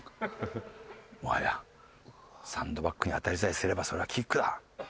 もはやサンドバッグに当たりさえすればそれはキックだ。